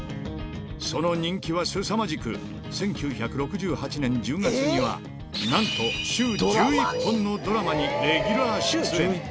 その人気はすさまじく、１９６８年１０月には、なんと週１１本のドラマにレギュラー出演。